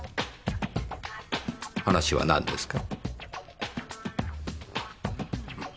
話はなんですか？